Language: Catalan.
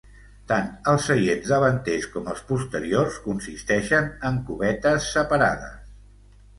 Tant els seients davanters com els posteriors consisteixen en cubetes separades.